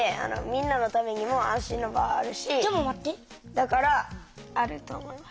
だからあると思います。